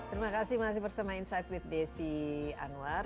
terima kasih masih bersama insight with desi anwar